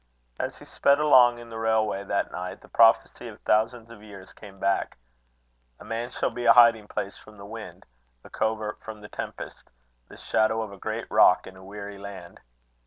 As he sped along in the railway that night, the prophecy of thousands of years came back: "A man shall be a hiding place from the wind, a covert from the tempest, the shadow of a great rock in a weary land."